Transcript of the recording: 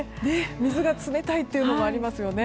水が冷たいっていうのもありますよね。